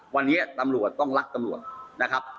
วันนี้ตำรวจต้องรักตำรวจนะครับ